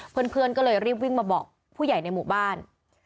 เพื่อนก็เลยรีบวิ่งมาบอกผู้ใหญ่ในหมู่บ้าน